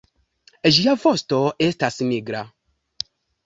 Ĝia vosto estas nigra.